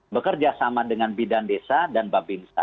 bekerjasama dengan bidan desa dan babinsta